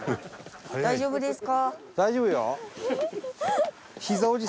大丈夫ですか？